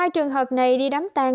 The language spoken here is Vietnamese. hai trường hợp này đi đám tan